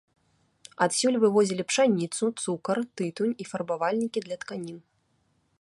Адсюль вывозілі пшаніцу, цукар, тытунь і фарбавальнікі для тканін.